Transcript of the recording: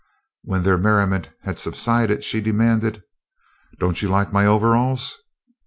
When their merriment had subsided, she demanded: "Don't you like my overalls?"